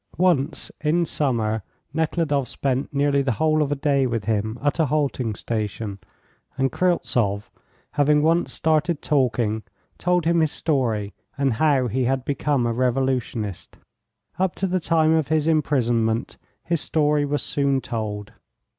Once, in summer, Nekhludoff spent nearly the whole of a day with him at a halting station, and Kryltzoff, having once started talking, told him his story and how he had become a revolutionist. Up to the time of his imprisonment his story was soon told.